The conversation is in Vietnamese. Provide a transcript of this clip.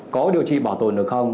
có điều trị bỏ tồn được không